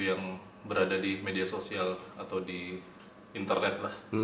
yang berada di media sosial atau di internet lah